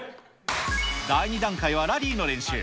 第２段階はラリーの練習。